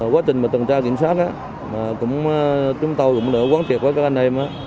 quá trình tầm tra kiểm tra chúng tôi cũng đã quán triệt với các anh em